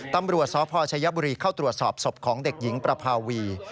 ตำรวจสพชยบุรีเข้าตรวจสอบศพของเด็กหญิงประภาวี